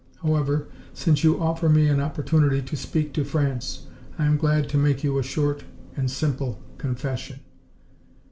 However, since you offer me an opportunity to speak to France, I am glad to make you a short and simple confession.